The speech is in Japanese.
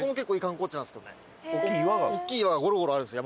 大きい岩がゴロゴロあるんです